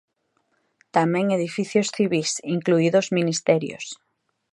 Tamén edificios civís, incluídos ministerios.